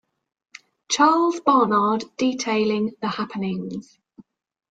Charles Barnard detailing the happenings.